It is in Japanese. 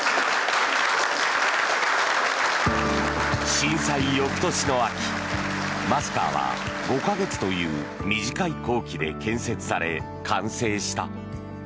震災翌年の秋マスカーは５か月という短い工期で建設され、完成した。